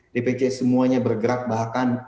dpc semuanya bergerak bahkan